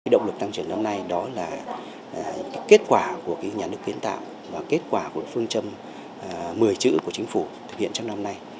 động lực tăng trưởng năm nay đó là kết quả của nhà nước kiến tạo và kết quả của phương châm một mươi chữ của chính phủ thực hiện trong năm nay